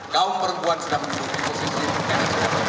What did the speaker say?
delapan ratus dua puluh dua kaum perempuan sudah masuk di posisi pod